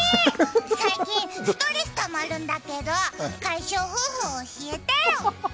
最近、ストレスたまるんだけど解消方法教えてよ。